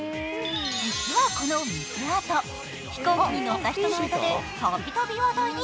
実はこの水アート、飛行機に乗った人の間でたびたび話題に。